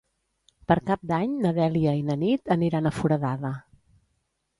Per Cap d'Any na Dèlia i na Nit aniran a Foradada.